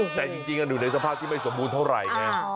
แต่จริงอยู่ในสภาพที่ไม่สมบูรณเท่าไหร่ไง